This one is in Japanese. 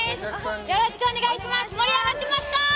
よろしくお願いします。